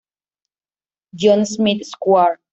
John, Smith Square.